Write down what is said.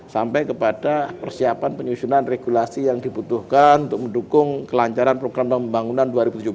sampai kepada persiapan penyusunan regulasi yang dibutuhkan untuk mendukung kelancaran program pembangunan dua ribu tujuh belas